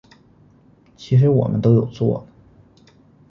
其实我们都有做了